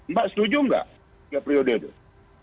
mbak setuju nggak tiga periode itu